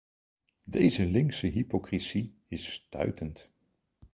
Deze linkse hypocrisie is stuitend.